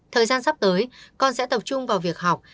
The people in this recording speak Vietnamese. thời gian sắp tới con sẽ tập trung vào việc học